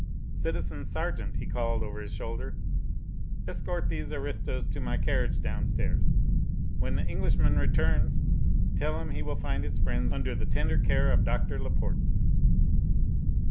Citizen sergeant," he called over his shoulder, "escort these aristos to my carriage downstairs. When the Englishman returns, tell him he will find his friends under the tender care of Doctor Laporte.